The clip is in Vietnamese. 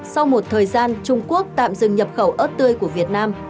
sau một thời gian trung quốc tạm dừng nhập khẩu ớt tươi của việt nam